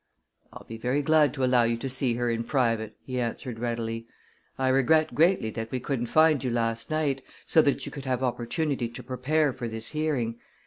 "I'll be very glad to allow you to see her in private," he answered readily. "I regret greatly that we couldn't find you last night, so that you could have opportunity to prepare for this hearing.